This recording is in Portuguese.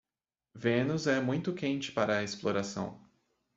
Vênus é muito quente para a exploração.